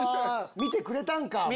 見てくれたんか。